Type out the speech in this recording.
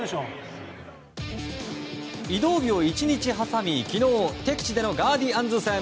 移動日を１日挟み、昨日敵地でのガーディアンズ戦。